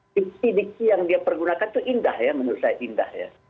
diksi diksi yang dia pergunakan itu indah ya menurut saya indah ya